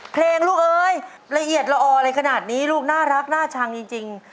เพลงเรียดร้อออเลยขนาดนี้ลูกน่ารักน่าชังจริง